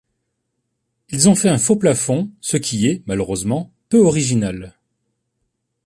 Ils ont fait un faux plafond, ce qui est, malheureusement, peu original.